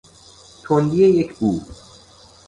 تندی یک بو